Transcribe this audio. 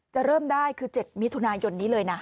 เริ่มได้คือ๗มิถุนายนนี้เลยนะ